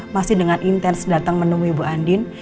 masih dengan intens datang menemui ibu andin